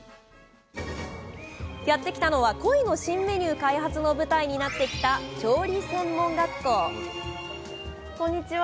やって来たのはコイの新メニュー開発の舞台になってきたこんにちは。